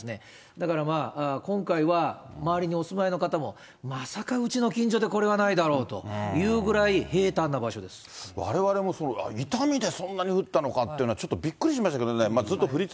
だから今回は周りにお住まいの方も、まさかうちの近所でこれはないだろうというぐらい平たんな場所でわれわれも、伊丹でそんなに降ったのかというのは、ちょっとびっくりしましたけどね。